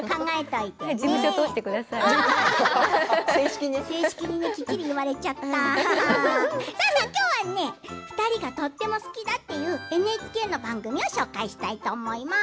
きっちり言われちゃったきょうはね２人がとっても好きだというＮＨＫの番組を紹介したいと思います。